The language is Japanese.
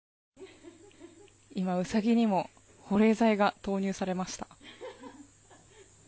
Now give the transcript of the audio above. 今、ウサギにも保冷剤が投入されました。